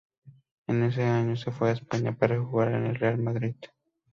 En ese año se fue a España para jugar en el Real Madrid.